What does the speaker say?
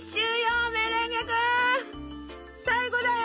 最後だよ！